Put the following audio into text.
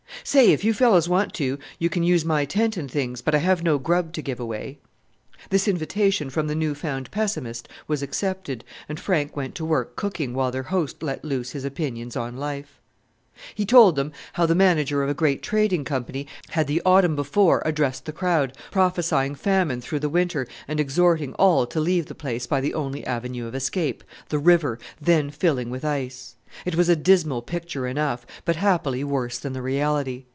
"Say! if you fellows want to you can use my tent and things, but I have no grub to give away." This invitation from the new found pessimist was accepted, and Frank went to work cooking while their host let loose his opinions upon life. He told them how the manager of a great trading company had the autumn before addressed the crowd, prophesying famine through the winter and exhorting all to leave the place by the only avenue of escape the river, then filling with ice. It was a dismal picture enough, but happily worse than the reality.